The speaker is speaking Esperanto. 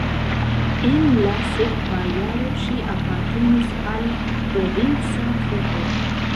En la sekva jaro ŝi apartenis al provinca trupo.